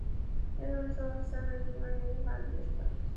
It also housed surrounding residents struck by disaster.